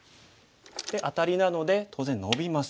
でアタリなので当然ノビます。